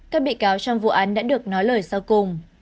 các bị cáo trong vụ án đã được nói lời sau cùng